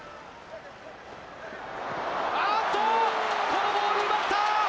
あっと、このボール奪った。